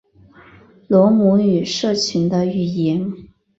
罗姆语社群的语言。